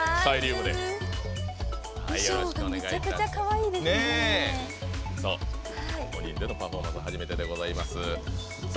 ５人でのパフォーマンス初めてでございます。